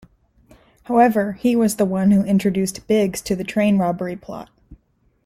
However, he was the one who introduced Biggs to the train robbery plot.